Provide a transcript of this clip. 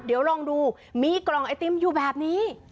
เดี๋ยวลองดูมีกล่องไอติมอยู่แบบนี้